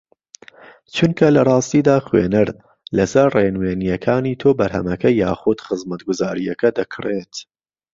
چونکە لەڕاستیدا خوێنەر لەسەر ڕێنوینییەکانی تۆ بەرهەمەکە یاخوود خزمەتگوزارییەکە دەکڕێت